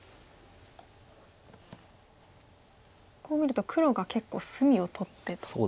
こう見ると黒が結構隅を取ってと。